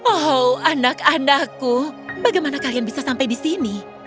oh anak anakku bagaimana kalian bisa sampai di sini